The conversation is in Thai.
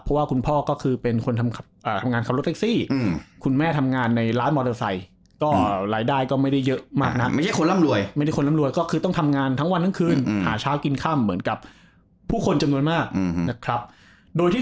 เพราะว่าคุณพ่อก็คือเป็นคนทำงานขับรถเต็กซี่